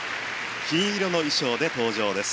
金色の衣装で登場です。